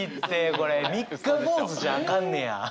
これ三日坊主じゃアカンねや？